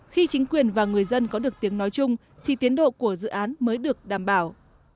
khi chính quyền và người dân có được tiếng nói chung thì tiến độ của dự án mới được đảm bảo